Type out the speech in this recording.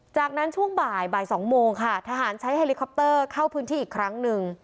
จากนั้นช่วงบ่ายบ่าย๒โมงค่ะทหารใช้เฮลิคอปเตอร์เข้าพื้นที่อีกครั้งหนึ่ง